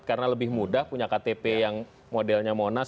karena lebih mudah punya ktp yang modelnya monas